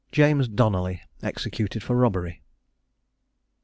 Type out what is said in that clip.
JAMES DONALLY. EXECUTED FOR ROBBERY.